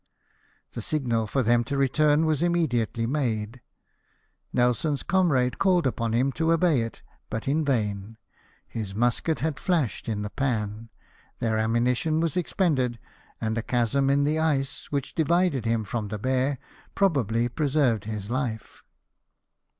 The signal for them to return was immediately made ; Nelson's comrade called upon him to obey it, but in vain ; his musket had flashed in the pan ; their ammunition was expended ; and a chasm in the ice, which divided him from the bear, probably preserved his life.